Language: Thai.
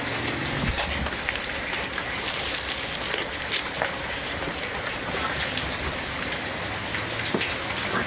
พร้อมทุกสิทธิ์